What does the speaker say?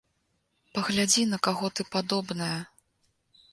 Паглядзі, на каго ты падобная!